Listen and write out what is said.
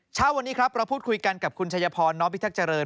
เช้าวันนี้ครับเราพูดคุยกันกับคุณชัยพรน้อมพิทักษ์เจริญ